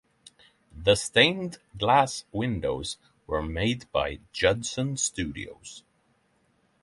The stained glass windows were made by Judson Studios.